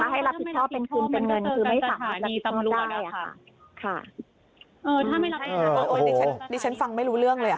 ถ้าไม่รับผิดชอบเป็นคุณเป็นเงินคือไม่ฝากรับผิดชอบได้ค่ะ